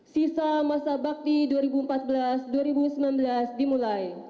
sisa masa bakti dua ribu empat belas dua ribu sembilan belas dimulai